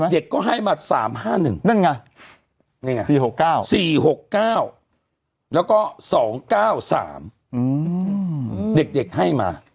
เด็กก็ให้มา๓๕๑นั่นไงนี่ไง๔๖๙๔๖๙แล้วก็๒๙๓เด็กให้มา